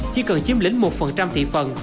chỉ cần chiếm lĩnh một thị phần